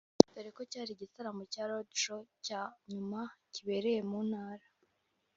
dore ko cyari igitaramo cya Roadshow cya nyuma kibereye mu Ntara